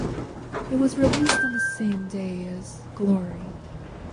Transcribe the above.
It was released on the same day as "Glory".